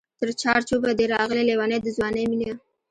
تر چار چوبه دی راغلې لېونۍ د ځوانۍ مینه